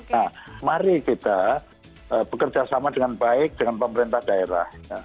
nah mari kita bekerja sama dengan baik dengan pemerintah daerah